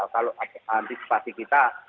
kalau antisipasi kita